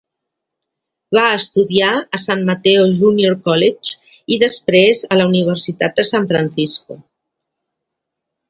Va estudiar a San Mateo Junior College i després a la Universitat de San Francisco.